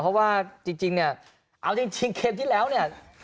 เพราะว่าจริงเนี่ยเอาจริงเกมที่แล้วเนี่ย